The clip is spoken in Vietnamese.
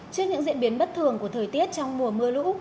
trước những diễn biến bất thường của thời tiết trong mùa mưa lũ